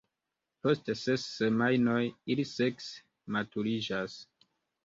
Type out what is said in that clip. Post ses semajnoj ili sekse maturiĝas.